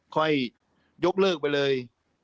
ค่อยยกเลิกไปเลย